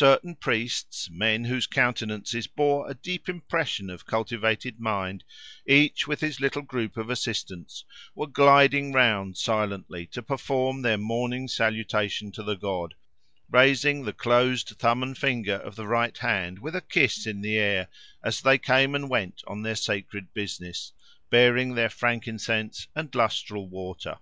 Certain priests, men whose countenances bore a deep impression of cultivated mind, each with his little group of assistants, were gliding round silently to perform their morning salutation to the god, raising the closed thumb and finger of the right hand with a kiss in the air, as they came and went on their sacred business, bearing their frankincense and lustral water.